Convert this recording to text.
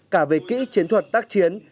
cả về kỹ chiến thuật tác chiến